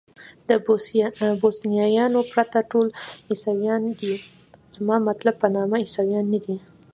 د بوسنیایانو پرته ټول عیسویان دي، زما مطلب په نامه عیسویان نه دي.